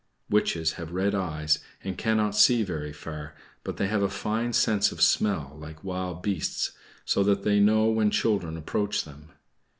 Witches have red eyes and cannot see very far; but they have a fine sense of smell, like wild beasts, so that they know when children approach them.